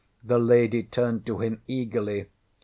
The lady turned to him eagerly.